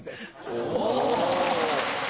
お。